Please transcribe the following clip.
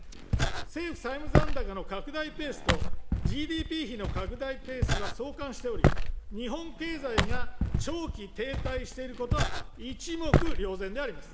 政府債務残高の拡大ペースとＧＤＰ比の拡大ペースは相関しており、日本経済が長期停滞していることは一目瞭然であります。